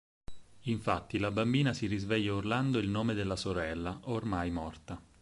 Infatti la bambina si risveglia urlando il nome della sorella, ormai morta.